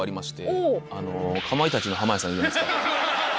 おお！かまいたちの濱家さんいるじゃないですか。